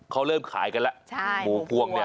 เขาเริ่มขายกันแล้วหมูพวงเนี่ย